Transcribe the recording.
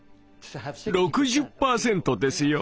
６０％ですよ？